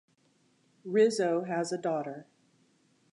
Rizzo has a daughter.